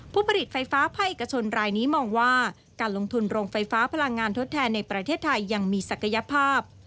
ผู้ผลิตไฟฟ้าภาคเอกชนรายนี้มองว่าการลงทุนโรงไฟฟ้าพลังงานทดแทนในประเทศไทยยังมีศักยภาพ